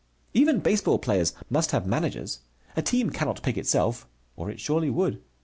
Even baseball players must have managers. A team cannot pick itself, or it surely would.